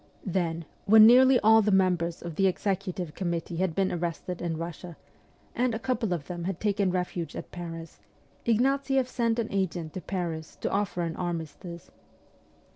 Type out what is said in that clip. Then, when nearly all the members of the Executive Committee had been arrested in Bussia, and a couple of them had taken refuge at Paris, Ignatieff sent an agent to Paris to offer an armistice.